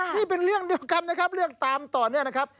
นี่เป็นเรื่องเดียวกันนะครับเรื่องตามต่อเนื่องนะครับ